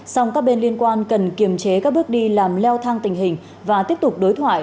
song các bên liên quan cần kiềm chế các bước đi làm leo thang tình hình và tiếp tục đối thoại